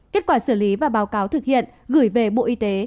kết quả xử lý và báo cáo thực hiện gửi về bộ y tế